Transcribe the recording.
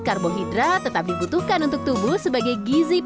karbohidrat tetap dibutuhkan untuk tubuh sebagai gizi